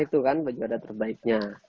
itu kan baju adat terbaiknya